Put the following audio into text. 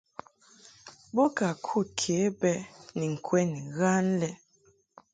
Bo ka kud ke bɛ ni ŋkwɛn ghan lɛ.